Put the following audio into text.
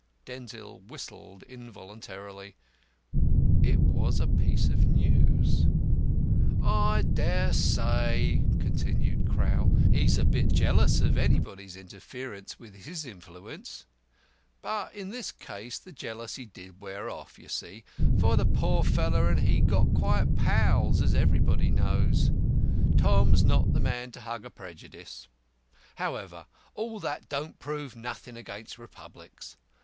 '" Denzil whistled involuntarily. It was a piece of news. "I dare say," continued Crowl, "he's a bit jealous of anybody's interference with his influence. But in this case the jealousy did wear off, you see, for the poor fellow and he got quite pals, as everybody knows. Tom's not the man to hug a prejudice. However, all that don't prove nothing against Republics.